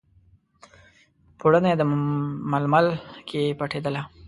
پوړني، د ململ کې پټیدله